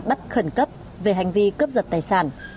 bắt khẩn cấp về hành vi cướp giật tài sản